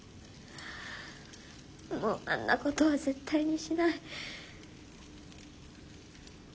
もうあんなことは絶対にしない。